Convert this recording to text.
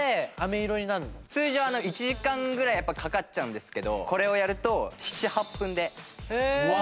通常１時間ぐらいやっぱかかっちゃうんですけどこれをやると７８分でできます。